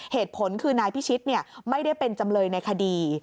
เหตุผลคือนายพิชิตไม่ได้เป็นจำเลยในคดี